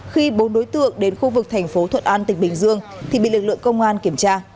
khi bốn đối tượng đến khu vực tp thuận an tp bình dương thì bị lực lượng công an kiểm tra